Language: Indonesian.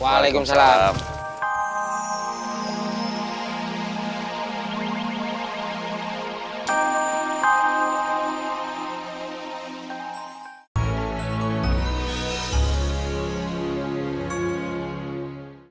assalamualaikum warahmatullahi wabarakatuh